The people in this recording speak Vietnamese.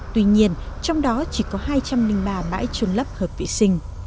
tuy nhiên trong đó chỉ có hai trăm linh ba bãi trôn lấp hợp vệ sinh